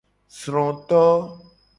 Sroto.